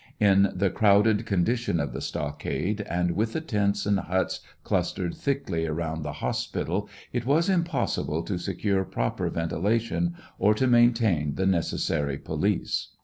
In the crowd ed condition of the stockade, and with the tents and huts clustered thickly around the hospital, it was impossible to secure proper venti lation or to maintain the necessary police.